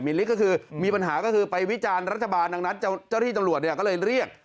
มีฤทธิ์ก็คือมีปัญหาก็คือไปวิจารณ์รัฐบาลดังนั้นเจ้าที่ตำรวจเนี่ยก็เลยเรียก